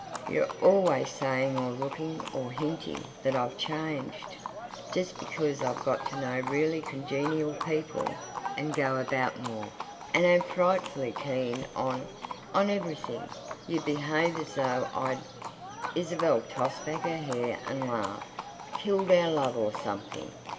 You're always saying or looking or hinting that I've changed. Just because I've got to know really congenial people, and go about more, and am frightfully keen on—on everything, you behave as though I'd—" Isabel tossed back her hair and laughed—"killed our love or something.